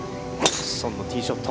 宋のティーショット。